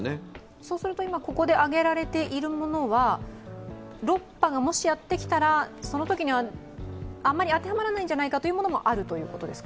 そうすると今、ここで挙げられているものは６波がもしやってきたらそのときには当てはまらないんじゃないかというものもあるんですか？